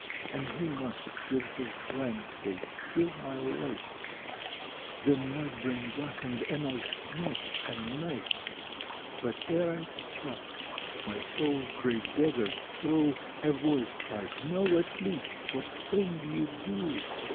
And he must with his blank face fill my life Then my brain blackened; and I snatched a knife. But ere I struck, my soul's grey deserts through A voice cried, 'Know at least what thing you do.'